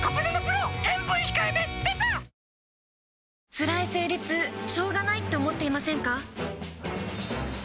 つらい生理痛しょうがないって思っていませんか？